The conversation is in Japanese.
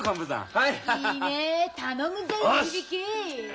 はい。